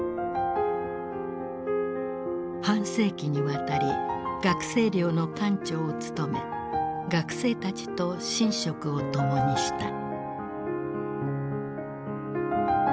半世紀にわたり学生寮の館長を務め学生たちと寝食を共にした。